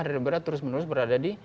daripada terus menerus berada di